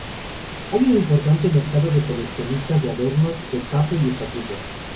Hay un importante mercado de coleccionistas de adornos de capó y estatuillas.